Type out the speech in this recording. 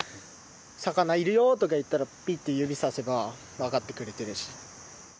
魚いるよとかいったらピッと指させばわかってくれてるし。